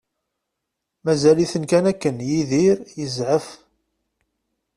Mazal-iten kan akken Yidir yezɛef.